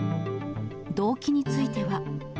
動機については。